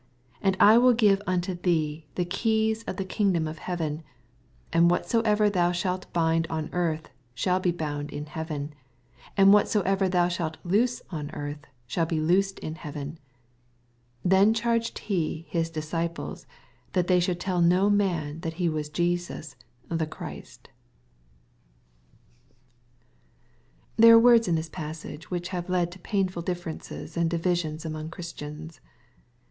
19 And I will give unto thee the keys of the kingdom of heaven : and whatsoever thou shalt bind on earth shall be bound in heaven : and what soever thou shalt loose on earth shall be loosed in heaven. 20 Then charged he his disciples that they should tell no man that he was Jesus the Christ. There are words in this passage which have led to pain ful differences and divisions among Christians.